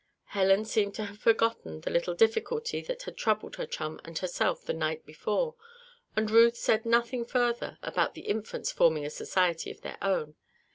Helen seemed to have forgotten the little difficulty that had troubled her chum and herself the night before, and Ruth said nothing further about the Infants forming a society of their own.